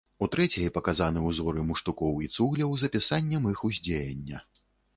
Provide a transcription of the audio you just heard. У трэцяй паказаны ўзоры муштукоў і цугляў з апісаннем іх уздзеяння.